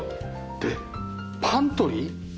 でパントリー？